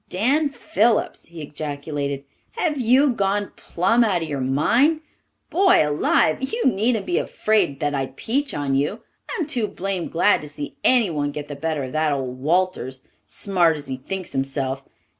"Dan Phillips," he ejaculated, "have you plum gone out of your mind? Boy alive, you needn't be afraid that I'd peach on you. I'm too blamed glad to see anyone get the better of that old Walters, smart as he thinks himself.